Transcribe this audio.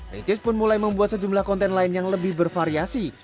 ricis pun mulai membuat sejumlah konten lain yang lebih bervariasi